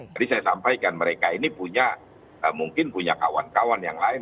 jadi saya sampaikan mereka ini punya mungkin punya kawan kawan yang lain